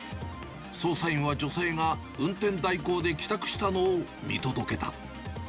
捜査員は、女性が運転代行で帰宅したのを見届けた。